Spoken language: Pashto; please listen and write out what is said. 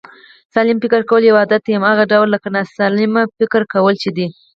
سالم فکر کول یو عادت دی، هماغه ډول لکه ناسلم فکر کول چې دی